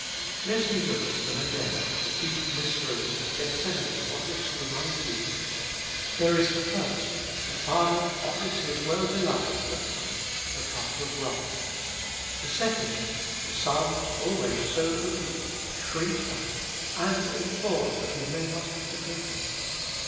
~—^ Let me look at them again, the deep mysteries that Gethsemane offers to my view. There is the first: the Father offers His Well beloved the cup, the cup of wrath. The second : the Son, always so obedient, shrinks back, and implores that He may not have to drink it.